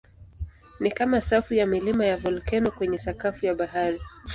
Ni kama safu ya milima ya volkeno kwenye sakafu ya bahari.